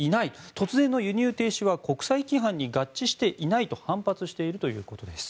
突然の輸出停止は国際規範に合致していないと反発しているということです。